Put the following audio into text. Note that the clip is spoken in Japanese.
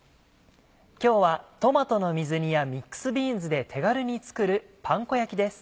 今日はトマトの水煮やミックスビーンズで手軽に作るパン粉焼きです。